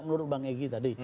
menurut bang egy tadi